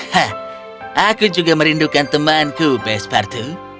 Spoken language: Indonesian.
hah aku juga merindukan temanku pespartu